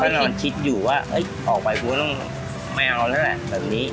นอนคิดอยู่ว่าออกไปกูก็ต้องไม่เอาแล้วแหละแบบนี้